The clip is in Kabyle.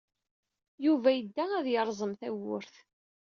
Yuba yedda ad yerẓem tawwurt.